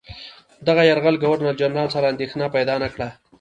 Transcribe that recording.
دغه یرغل ګورنرجنرال سره اندېښنه پیدا نه کړه.